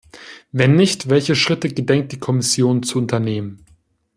Wenn nicht, welche Schritte gedenkt die Kommission zu unternehmen?